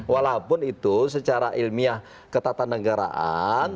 walaupun itu secara ilmiah ketatanegaraan